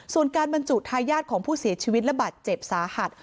ส่วนการบรรจุทายาทของผู้เสียชีวิตและบาดเจ็บสาหัส